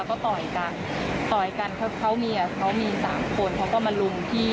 รอพอเขาก็ต่อยแหละผลักแหละอะไรอย่างนี้แต่ก็มี๓คนลุงผู้กรณีที่ช่วงหนึ่งเขาก็บอกว่าหมวกมันต้องตี